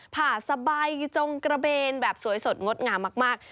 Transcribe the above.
ผ่าสบายจงกระเบนแบบสวยสดงดงามมาก